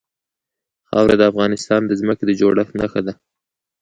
خاوره د افغانستان د ځمکې د جوړښت نښه ده.